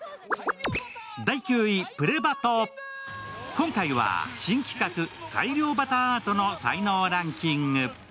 今回は、新企画「大漁旗アートの才能ランキング」。